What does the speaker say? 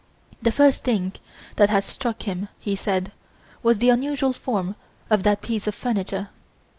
The first thing that had struck him, he said, was the unusual form of that piece of furniture.